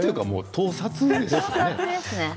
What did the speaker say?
盗撮ですね。